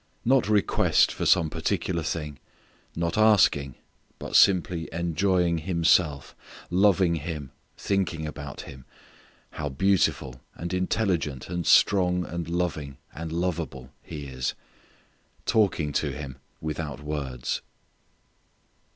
Not request for some particular thing; not asking, but simply enjoying Himself, loving Him, thinking about Him, how beautiful, and intelligent, and strong and loving and lovable He is; talking to Him without words.